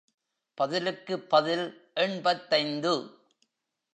பதிலுக்கு பதில் எண்பத்தைந்து.